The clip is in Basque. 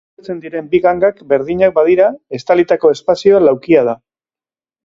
Gurutzatzen diren bi gangak berdinak badira, estalitako espazioa laukia da.